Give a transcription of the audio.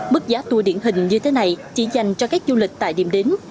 mức giá tour điển hình như thế này chỉ dành cho các du lịch tại điểm đến